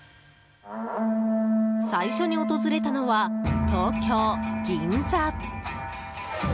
最初に訪れたのは東京・銀座。